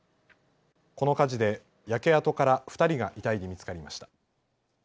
この火事で焼け跡から２人が遺体で見つかりました。